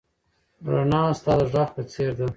رڼا ستا د غږ په څېر ده.